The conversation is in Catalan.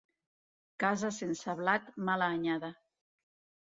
Casa sense blat, mala anyada.